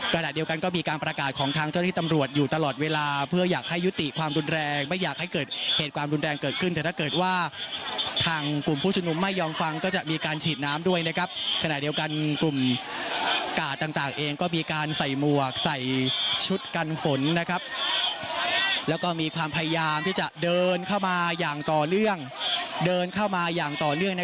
ขณะเดียวกันก็มีการประกาศของทางเจ้าหน้าที่ตำรวจอยู่ตลอดเวลาเพื่ออยากให้ยุติความรุนแรงไม่อยากให้เกิดเหตุความรุนแรงเกิดขึ้นแต่ถ้าเกิดว่าทางกลุ่มผู้ชุมนุมไม่ยอมฟังก็จะมีการฉีดน้ำด้วยนะครับขณะเดียวกันกลุ่มกาดต่างเองก็มีการใส่หมวกใส่ชุดกันฝนนะครับแล้วก็มีความพยายามที่จะเดินเข้ามาอย่างต่อเนื่องเดินเข้ามาอย่างต่อเนื่อง